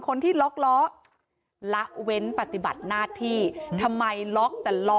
คนที่ล็อกล้อละเว้นปฏิบัติหน้าที่ทำไมล็อกแต่ล้อ